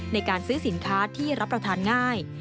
ในการซื้อสินค้าที่รับประทานง่าย